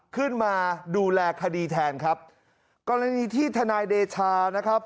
ขึ้นมาดูแลคดีแทนครับกรณีที่ทนายเดชานะครับ